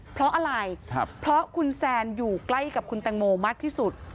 เพราะอะไรเพราะคุณแซนอยู่ใกล้กับคุณแตงโมมากที่สุด